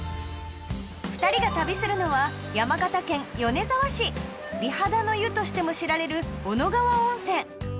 ２人が旅するのは山形県米沢市美肌の湯としても知られる小野川温泉